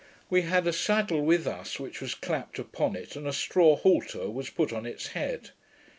We had a saddle with us, which was clapped upon it, and a straw halter was put on its head.